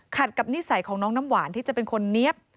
กับนิสัยของน้องน้ำหวานที่จะเป็นคนเนี๊ยบ